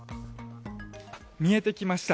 見えてきました。